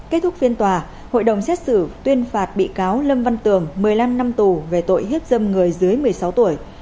kết thúc phiên tòa hội đồng xét xử tuyên phạt bị cáo lâm văn tường một mươi năm năm tù về tội hiếp dâm người dưới một mươi sáu tuổi